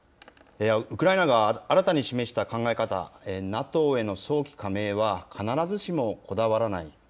ウクライナが新たに示した考え方、ＮＡＴＯへの早期加盟は必ずしもこだわらない。